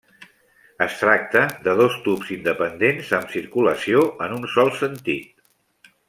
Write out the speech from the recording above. Es tracta de dos tubs independents amb circulació en un sol sentit.